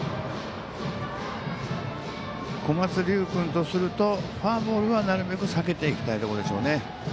小松龍生君とするとフォアボールはなるべく避けていきたいところでしょうね。